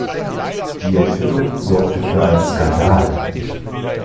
Die Enthüllung sorgte für einen Skandal.